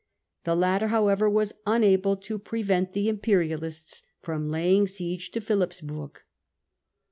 The latter however was unable to prevent the imperialists from laying siege to Philippsburg.